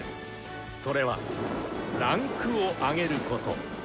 それは「位階を上げる」こと。